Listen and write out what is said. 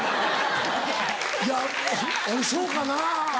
いやそうかな。